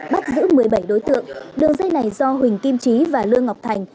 bắt giữ một mươi bảy đối tượng đường dây này do huỳnh kim trí và lương ngọc thành